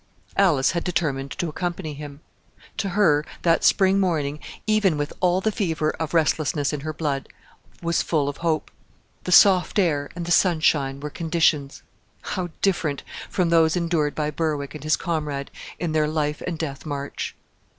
Alice had determined to accompany him. To her that spring morning, even with all the fever of restlessness in her blood, was full of hope. The soft air and the sunshine were conditions how different from those endured by Berwick and his comrade in their life and death march!